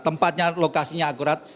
tempatnya lokasinya akurat